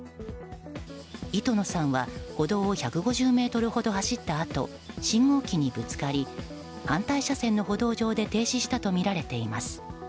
糸野さんは歩道を１５０ｍほど走ったあと信号機にぶつかり反対車線の歩道上で停止したとみられています。